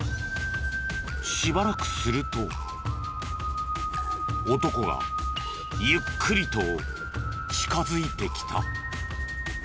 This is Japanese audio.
しばらくすると男がゆっくりと近づいてきた。